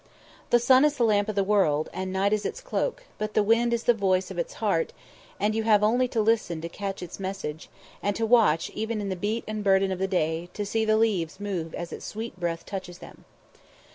The sun is the lamp of the world, and night is its cloak; but the wind is the voice of its heart and you have only to listen to catch its message, and to watch even in the beat and burden of the day, to see the leaves move as its sweet breath touches them.